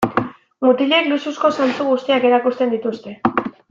Mutilek luxuzko zantzu guztiak erakusten dituzte.